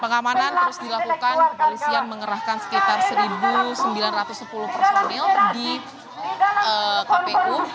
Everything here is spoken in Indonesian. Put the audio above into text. pengamanan terus dilakukan kepolisian mengerahkan sekitar satu sembilan ratus sepuluh personil di kpu